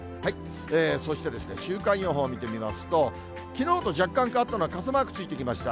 そしてですね、週間予報見てみますと、きのうと若干変わったのは、傘マークついてきました。